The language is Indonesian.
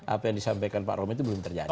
apa yang disampaikan pak romy itu belum terjadi